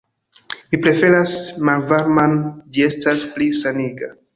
Mi preferas malvarman; ĝi estas pli saniga.